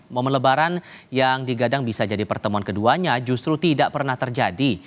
momen lebaran yang digadang bisa jadi pertemuan keduanya justru tidak pernah terjadi